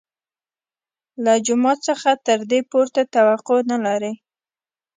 له جومات څخه تر دې پورته توقع نه لري.